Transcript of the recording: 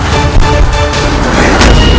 kau akan menang